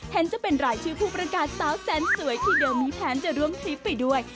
เห็นจะเป็นรายชื่อผู้ประกาศสาวแสนสวยที่โดมมีแผนจะร่วมทริปไปด้วย